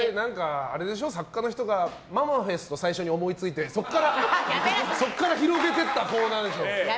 作家の人がママフェスト最初に思いついてそこから広げてったコーナーでしょ。